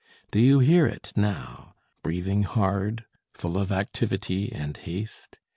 Do you hear it now, breathing hard, full of activity and haste?